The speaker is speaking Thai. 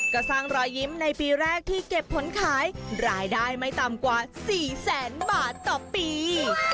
ก็สร้างรอยยิ้มในปีแรกที่เก็บผลขายรายได้ไม่ต่ำกว่า๔แสนบาทต่อปี